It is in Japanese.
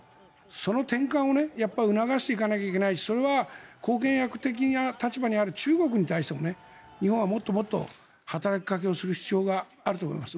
その転換を促していかなきゃいけないしそれは後見役の中国に対しても日本はもっともっと働きかけをする必要があると思います。